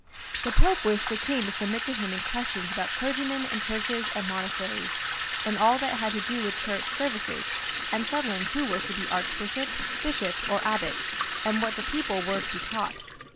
The Pope wished the king to submit to him in questions about clergymen and churches and monasteries, and all that had to do with Church services, and settling who was to be archbishop, bishop, or abbot, and what the people were to be taught.